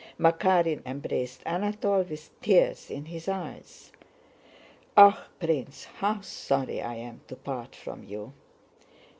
Makárin embraced Anatole with tears in his eyes. "Ah, Prince, how sorry I am to part from you!